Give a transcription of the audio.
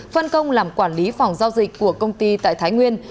phân công làm quản lý phòng giao dịch của công ty tại thái nguyên